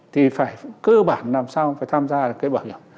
thì phải cơ bản làm sao phải tham gia được cái bảo hiểm